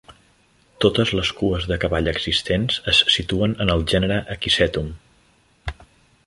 Totes les cues de cavall existents es situen en el gènere "Equisetum".